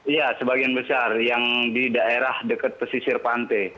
iya sebagian besar yang di daerah dekat pesisir pantai